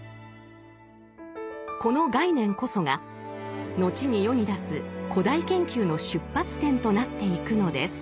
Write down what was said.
この概念こそが後に世に出す「古代研究」の出発点となっていくのです。